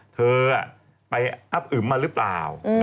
เธอไปอับอึมมาหรือเปล่า